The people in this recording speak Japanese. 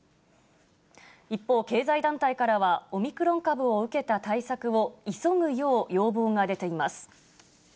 一方、経済団体からはオミクロン株を受けた対策を急ぐよう要望が出ています。